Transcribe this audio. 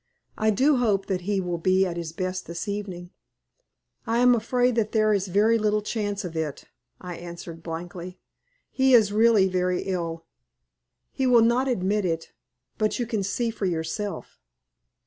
I do hope that he will be at his best this evening." "I am afraid that there is very little chance of it," I answered, blankly. "He is really very ill. He will not admit it, but you can see for yourself."